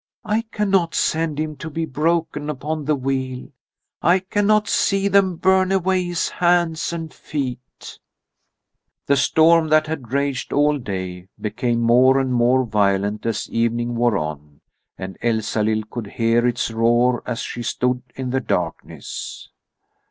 I cannot send him to be broken upon the wheel. I cannot see them burn away his hands and feet." The storm that had raged all day became more and more violent as evening wore on, and Elsalill could hear its roar as she stood in the darkness.